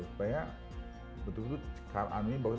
supaya betul betul car army bagus